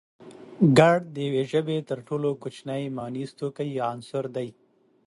گړ د يوې ژبې تر ټولو کوچنی مانيز توکی يا عنصر دی